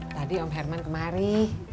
tadi om herman kemari